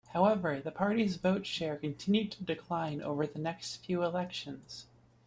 However, the party's vote share continued to decline over the next few elections.